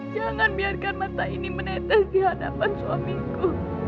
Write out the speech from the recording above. jangan biarkan mata ini menetes di hadapan suamiku